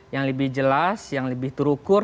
yang lebih jelas yang lebih terukur